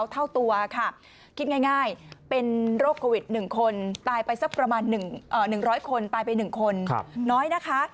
ตายซักประมาณ๑๐๐คนตายไป๑คนน้อยนะคะ